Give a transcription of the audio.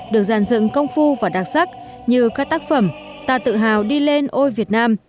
được giàn dựng công phu và đặc sắc như các tác phẩm ta tự hào đi lên ôi việt nam